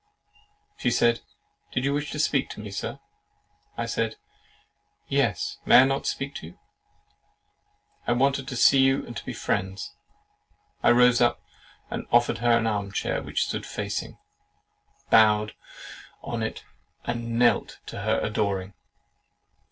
She said, "Did you wish to speak to me, Sir?" I said, "Yes, may I not speak to you? I wanted to see you and be friends." I rose up, offered her an arm chair which stood facing, bowed on it, and knelt to her adoring.